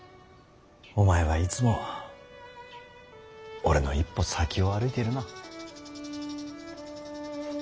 お前はいつも俺の一歩先を歩いてるな。